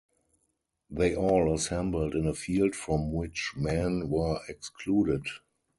They all assembled in a field from which men were excluded.